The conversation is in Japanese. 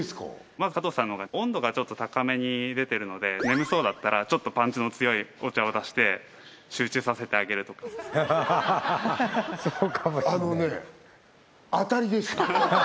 まず加藤さんのほうが温度がちょっと高めに出てるので眠そうだったらちょっとパンチの強いお茶を出して集中させてあげるとかあのね当たりですよ